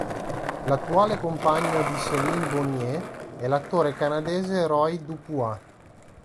L'attuale compagno di Céline Bonnier è l'attore canadese Roy Dupuis.